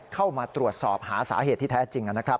เข้ามาตรวจสอบหาสาเหตุที่แท้จริงนะครับ